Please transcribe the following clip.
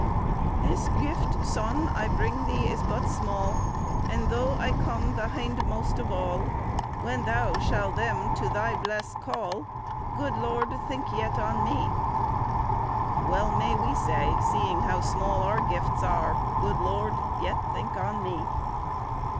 "This gueifte, Sonne, I bringe Thee is but small, And though I come the hyndmoste of all, When Thou shall them to Thy blesse call, Good Lorde, yet thinke on me." Well may we say, seeing how small our gifts are, "Good Lord, yet think on me."